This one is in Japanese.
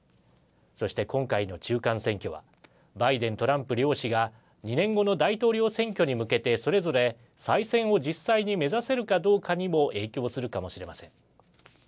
そして、今回の中間選挙はバイデン・トランプ両氏が２年後の大統領選挙に向けてそれぞれ再選を実際に目指せるかどうかにも影響するかもしれません。